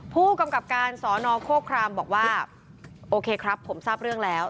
ผู้กำกับการสอนอโคครามบอกว่าโอเคครับผมทราบเรื่องแล้ว